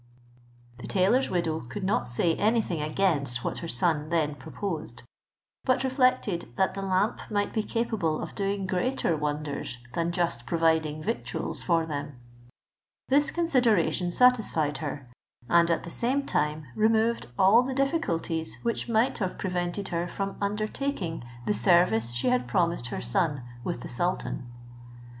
The tailor's widow could not say any thing against what her son then proposed; but reflected that the lamp might be capable of doing greater wonders than just providing victuals for them. This consideration satisfied her, and at the same time removed all the difficulties which might have prevented her from undertaking the service she had promised her son with the sultan.